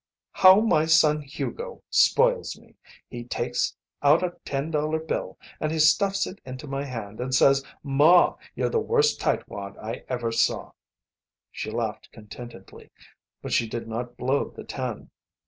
"How my son Hugo spoils me! He takes out a ten dollar bill, and he stuffs it into my hand and says 'Ma, you're the worst tightwad I ever saw.'" She laughed contentedly. But she did not blow the ten.